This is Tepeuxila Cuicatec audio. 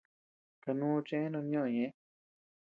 Kanu chëe no ñoʼö ñeʼë.